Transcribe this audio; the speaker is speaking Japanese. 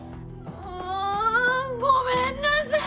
ああごめんなさい